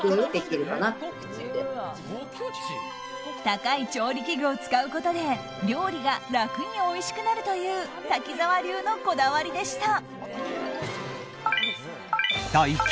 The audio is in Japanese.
高い調理器具を使うことで料理が楽においしくなるという滝沢流のこだわりでした。